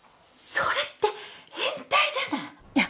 それって変態じゃない？いや。